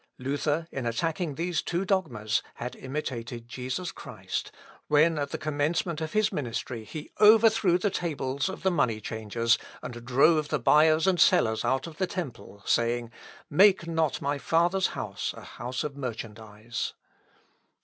Luther, in attacking these two dogmas, had imitated Jesus Christ, when at the commencement of his ministry he overthrew the tables of the money changers, and drove the buyers and sellers out of the temple, saying, Make not my Father's house a house of merchandise.